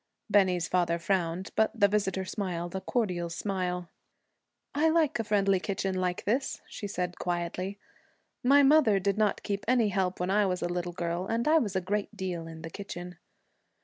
Bennie's father frowned, but the visitor smiled a cordial smile. 'I like a friendly kitchen like this,' she said quietly. 'My mother did not keep any help when I was a little girl and I was a great deal in the kitchen.'